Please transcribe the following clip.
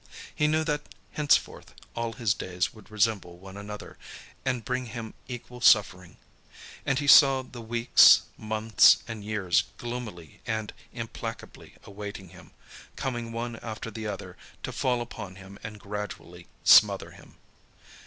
He knew that henceforth, all his days would resemble one another, and bring him equal suffering. And he saw the weeks, months and years gloomily and implacably awaiting him, coming one after the other to fall upon him and gradually smother him.